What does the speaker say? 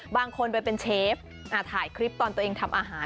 บางคนไปเป็นเชฟถ่ายคลิปตอนตัวเองทำอาหาร